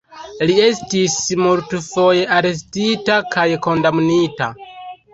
Li estis multfoje arestita kaj kondamnita.